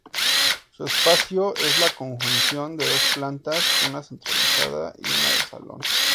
Su espacio es la conjunción de dos plantas: una centralizada y una de salón.